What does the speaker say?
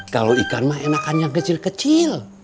kalau ikan mah enakan yang kecil kecil